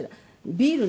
ビール。